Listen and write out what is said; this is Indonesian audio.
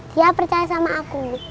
dia percaya sama aku